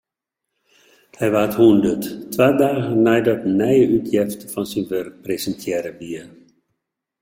Hy waard hûndert, twa dagen neidat in nije útjefte fan syn wurk presintearre wie.